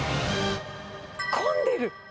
混んでる。